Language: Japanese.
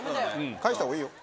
返した方がいいよ。